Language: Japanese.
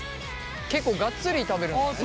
結構がっつり食べるんだね。